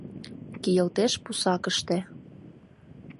Кийылтеш пусакыште: